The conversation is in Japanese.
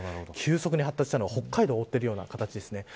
急速に発達したのは北海道を覆っている形です。